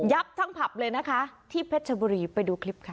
ทั้งผับเลยนะคะที่เพชรชบุรีไปดูคลิปค่ะ